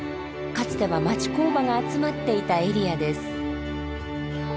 かつては町工場が集まっていたエリアです。